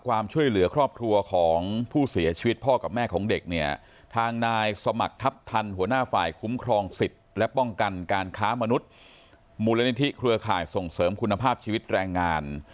ความช่วยเหลือครอบครัวของผู้เสียชีวิตพ่อกับแม่ของเด็กเนี่ยทางนายสมัครทัพทันหัวหน้าฝ่ายคุ้มครองสิทธิ์และป้องกันการค้ามนุษย์มูลนิธิเครือข่ายส่งเสริมคุณภาพชีวิตแรงงาน